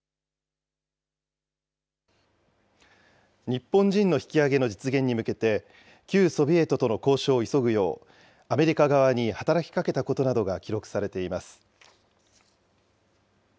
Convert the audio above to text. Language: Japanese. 日本人の引き揚げの実現に向けて旧ソビエトとの交渉を急ぐよう、アメリカ側に働きかけたことなどが記録されています。